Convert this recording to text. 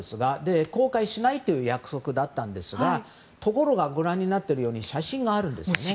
公開しないという約束だったんですがところが、ご覧のように写真があるんですね。